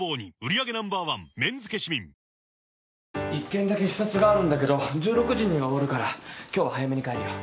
１件だけ視察があるんだけど１６時には終わるから今日は早めに帰るよ。